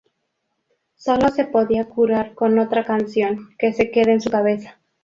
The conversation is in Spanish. Solo se podía curar con otra canción que se quede en su cabeza.